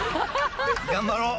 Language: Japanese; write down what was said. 頑張ろう。